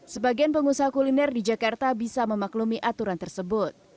sebagian pengusaha kuliner di jakarta bisa memaklumi aturan tersebut